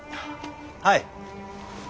はい。